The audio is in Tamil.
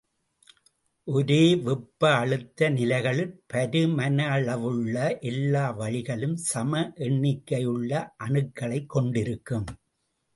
ஒரே வெப்ப அழுத்த நிலைகளில் பருமனளவுள்ள எல்லா வளிகளும் சம எண்ணிக்கையுள்ள அணுக்களைக் கொண்டிருக்கும்.